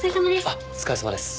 あっお疲れさまです。